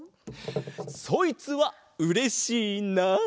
そいつはうれしいなあ！